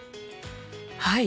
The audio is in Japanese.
はい！